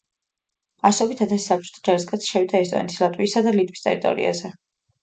ასობით ათასი საბჭოთა ჯარისკაცი შევიდა ესტონეთის, ლატვიისა და ლიტვის ტერიტორიაზე.